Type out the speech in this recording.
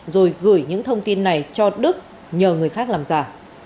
rồi gửi những thông tin này cho đức nhờ người khác làm giả